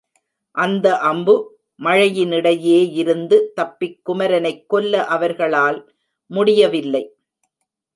அந்த அம்பு மழையினிடையேயிருந்து தப்பிக் குமரனைக் கொல்ல அவர்களால் முடியவில்லை.